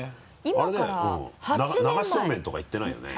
流しそうめんとか行ってないよね